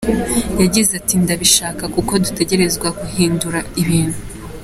Yagize ati: "Ndabishaka kuko dutegerezwa guhindura ibintu.